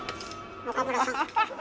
岡村さん。